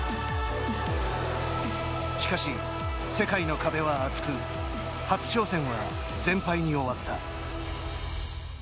しかし、世界の壁は厚く初挑戦は全敗に終わった。